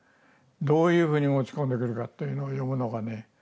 どういうふうに持ち込んでくるかというのを読むのがね